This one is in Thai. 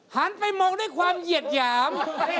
หันไปมองด้วยความเหยียดหยาม